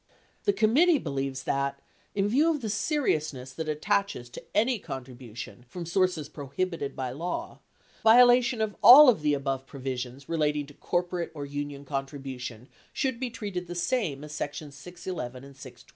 The committee believes that, in view of the seriousness that attaches to any contribution from sources prohibited by law, violation of all of the above provisions relating to corporate or union contribution should be treated the same as sections 611 and 612.